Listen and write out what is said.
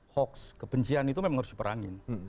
hoax kebencian itu memang harus diperangin